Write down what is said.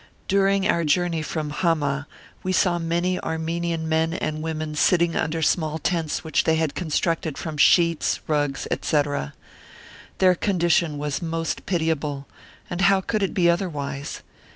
During our journey from Hamah we saw many Armenian men and women, sitting under small tents which they had constructed from sheets, rugs, etc. Their condition was most pitiable, and how could it be otherwise?